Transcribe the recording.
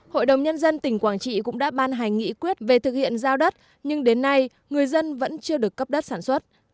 hội đồng nhân dân tỉnh quảng trị cũng đã ban hành nghị quyết về thực hiện giao đất nhưng đến nay người dân vẫn chưa được cấp đất sản xuất